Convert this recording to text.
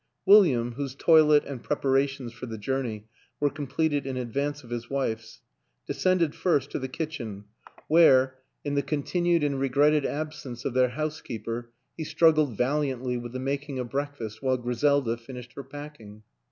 William, whose toilet and preparations for the journey were completed in advance of his wife's, descended first to the kitchen, where, in the con 77 78 WILLIAM AN ENGLISHMAN tinued and regretted absence of their housekeeper, he struggled valiantly with the making of break fast while Griselda finished her packing.